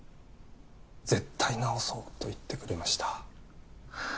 絶対治そうと言ってくれました。